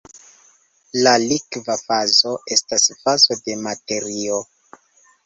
La "likva fazo" estas fazo de materio.